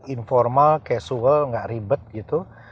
informal casual nggak ribet gitu